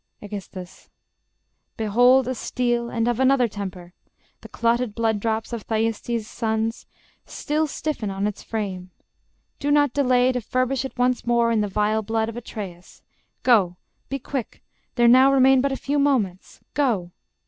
Aegis. Behold a steel, and of another temper: The clotted blood drops of Thyestes's sons Still stiffen on its frame: do not delay To furbish it once more in the vile blood Of Atreus; go, be quick: there now remain But a few moments; go.